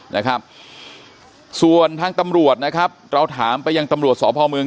นะครับส่วนทางตำรวจนะครับเราถามไปยังตำรวจสพเมือง